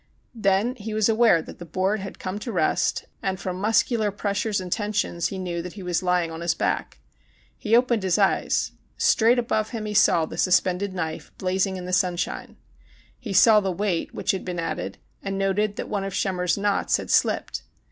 Then he was aware that the board had come to rest, and from muscular pressures and ten sions he knew that he was lying on his back. He opened his eyes. Straight above him he saw the suspended knife blazing in the sunshine. He saw the weight which had been added, and noted that one of Schemmer's knots had slipped.